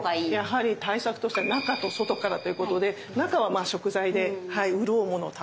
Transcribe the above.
やはり対策としては中と外からということで中は食材でうるおうものを食べると。